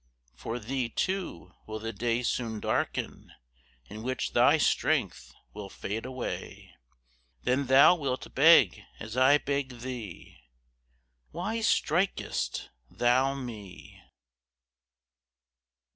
For thee, too, will the days soon darken In which thy strength will fade away. Then thou wilt beg as I beg thee: Why strik'st thou me?